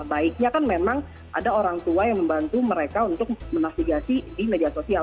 baiknya kan memang ada orang tua yang membantu mereka untuk menafigasi di media sosial